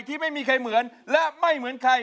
ที่ไม่มีใครเหมือนและไม่เหมือนใคร